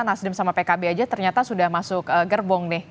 nasdem sama pkb aja ternyata sudah masuk gerbong nih